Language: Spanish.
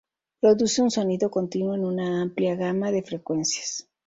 Produce un sonido continuo en una amplia gama de frecuencias.